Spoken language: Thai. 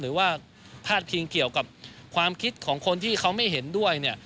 หรือว่าพาดพิงเกี่ยวกับความคิดของคนที่เขาไม่เห็นด้วยเนี่ย